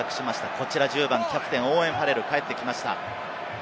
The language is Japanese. こちら１０番・キャプテン、オーウェン・ファレルが帰ってきました。